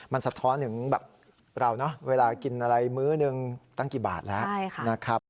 มันสะท้อนถึงแบบเราเนอะเวลากินอะไรมื้อหนึ่งตั้งกี่บาทแล้วนะครับ